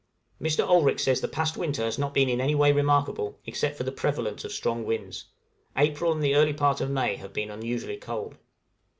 Mr. Olrik says the past winter has not been in any way remarkable, except for the prevalence of strong winds; April and the early part of May have been unusually cold.